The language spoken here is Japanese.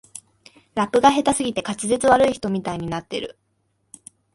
ラップが下手すぎて滑舌悪い人みたいになってる